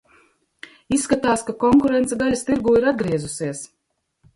Izskatās, ka konkurence gaļas tirgū ir atgriezusies!